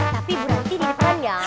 tapi buranti di depan ya